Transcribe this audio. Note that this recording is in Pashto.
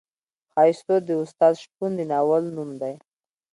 ښایستو د استاد شپون د ناول نوم دی.